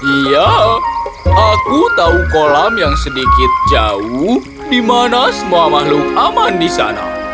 ya aku tahu kolam yang sedikit jauh dimana semua makhluk aman di sana